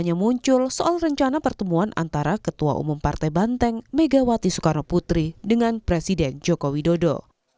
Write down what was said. kali ini soal rencana pertemuan ketua umum pdi perjuangan megawati sukono putri dengan presiden joko widodo